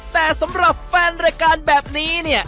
แต่สำหรับแฟนรายการแบบนี้เนี่ย